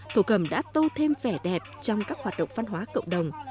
thổ cầm đã tô thêm vẻ đẹp trong các hoạt động văn hóa cộng đồng